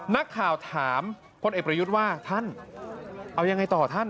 นักข่าวถามพลเอกประยุทธ์ว่าท่านเอายังไงต่อท่าน